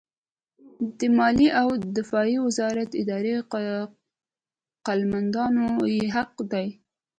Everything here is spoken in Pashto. د مالیې او دفاع وزارت اداري قلمدانونه یې حق دي.